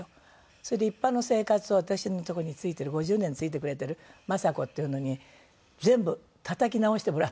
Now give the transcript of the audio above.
それで一般の生活を私のとこに付いてる５０年付いてくれてるマサコっていうのに全部たたき直してもらって。